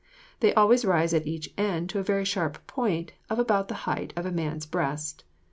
They always rise at each end to a very sharp point of about the height of a man's breast.